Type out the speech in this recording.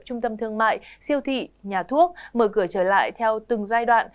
trung tâm thương mại siêu thị nhà thuốc mở cửa trở lại theo từng giai đoạn